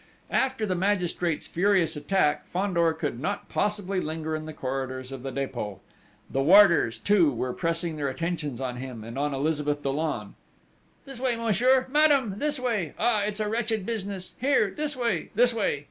After the magistrate's furious attack, Fandor could not possibly linger in the corridors of the Dépôt. The warders, too, were pressing their attentions on him and on Elizabeth Dollon: "This way, monsieur!... Madame, this way!... Ah, it's a wretched business!... Here, this way! This way!...